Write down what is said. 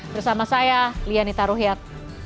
bersama saya lianita ruhyat